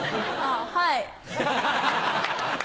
はい。